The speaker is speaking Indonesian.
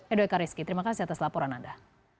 edoika rizky terima kasih atas laporan anda